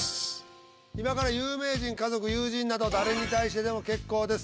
今から有名人家族友人など誰に対してでも結構です。